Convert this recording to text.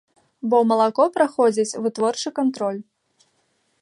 Бо малако праходзіць вытворчы кантроль.